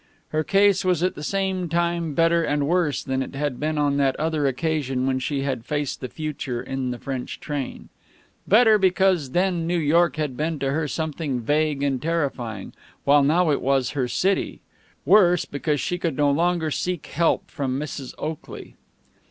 Her case was at the same time better and worse than it had been on that other occasion when she had faced the future in the French train; better, because then New York had been to her something vague and terrifying, while now it was her city; worse, because she could no longer seek help from Mrs. Oakley.